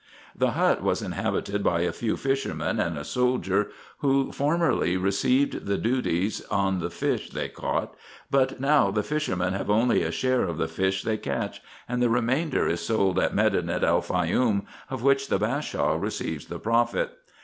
The hut was inhabited by a few fishermen and a soldier, who formerly received the duties on the fish they caught ; but now, the fishermen have only a share of the fish they catch, and the remainder is sold at Medinet el Faioum, of which the Bashaw receives the profit.